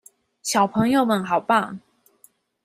小朋友們好棒！